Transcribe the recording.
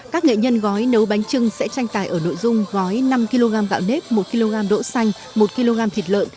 các nghệ nhân gói nấu bánh trưng sẽ tranh tài ở nội dung gói năm kg gạo nếp một kg đỗ xanh một kg thịt lợn